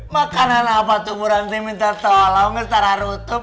makanan apa tuh burang minta tolong gak setara rutub